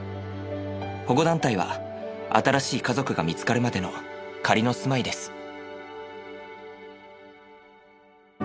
保護団体は新しい家族が見つかるまでの仮の住まいです。